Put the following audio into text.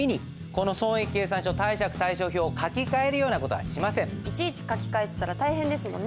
でも実際の簿記ではいちいち書き換えてたら大変ですもんね。